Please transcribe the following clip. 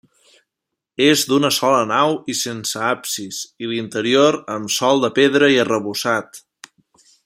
És d'una sola nau i sense absis, i l'interior amb sòl de pedra i arrebossat.